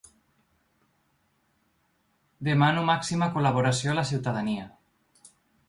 Demano màxima col·laboració a la ciutadania.